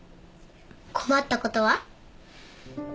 困ったことは？